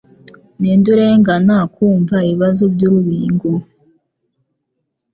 Ninde urengana kumva ibibazo by'urubingo